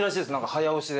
早押しで。